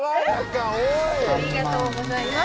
ありがとうございます。